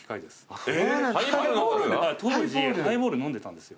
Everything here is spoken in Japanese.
当時ハイボール飲んでたんですよ。